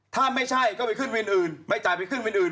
ถ้าไม่ใช่ก็ไปขึ้นวินอื่นไม่จ่ายไปขึ้นวินอื่น